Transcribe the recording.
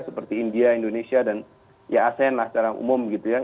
seperti india indonesia dan ya asean lah secara umum gitu ya